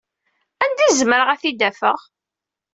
Anda ay zemreɣ ad t-id-afeɣ?